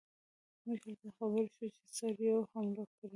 موږ هلته خبر شو چې سړیو حمله کړې.